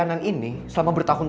kamu mau contohkan